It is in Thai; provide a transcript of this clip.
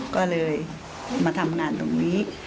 ก็เลยมาทำงานตรงนี้